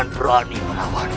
tidak ada masalah